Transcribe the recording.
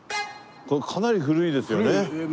これかなり古いですよね。